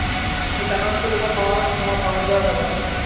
এই জানোয়ারকে তোমার পাওয়ার দেয়া যাবে না।